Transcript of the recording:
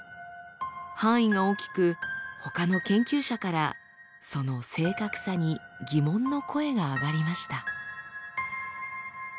範囲が大きくほかの研究者からその正確さに疑問の声が上がりました。